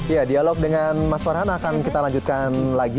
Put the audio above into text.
ya dialog dengan mas farhan akan kita lanjutkan lagi